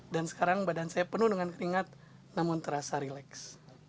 dan sekarang badan saya penuh dengan keringat namun terasa rileks